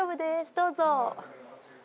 どうぞ。